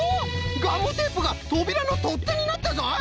ガムテープがとびらのとってになったぞい！